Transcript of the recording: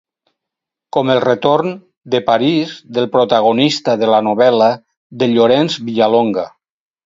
Com el retorn de París del protagonista de la novel·la de Llorenç Villalonga.